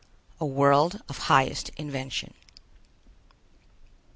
A World of Highest Invention.